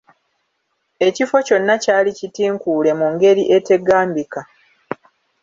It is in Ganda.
Ekifo kyonna kyali kitinkuule mu ngeri etegambika.